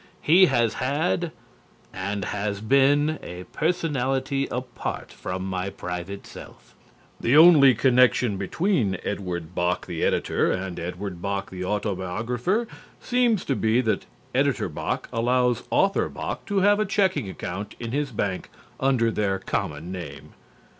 He has had and has been a personality apart from my private self." The only connection between Edward Bok the editor and Edward Bok the autobiographer seems to be that Editor Bok allows Author Bok to have a checking account in his bank under their common name.